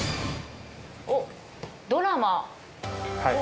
おっ「ドラマ」。